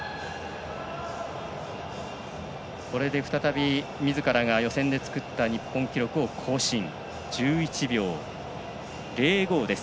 これで再びみずからが予選で作った日本記録を更新、１１秒０５です。